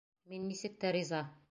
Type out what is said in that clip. Мин нисек тә риза.